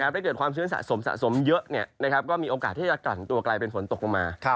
ถ้าเกิดความชื้นสะสมสะสมเยอะก็มีโอกาสที่จะกลั่นตัวกลายเป็นฝนตกลงมา